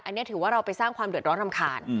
อันนี้ถือว่าเราไปสร้างความเดือดร้อนรำคาญ